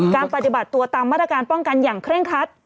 ปฏิบัติตัวตามมาตรการป้องกันอย่างเคร่งคัด